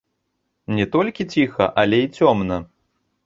Не толькі ціха, але і цёмна.